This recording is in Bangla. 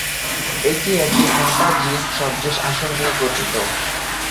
এটি একটি ফাঁপা জিন সদৃশ আসন নিয়ে গঠিত।